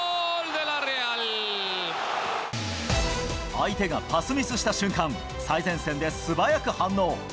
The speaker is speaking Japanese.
相手がパスミスした瞬間、最前線で素早く反応。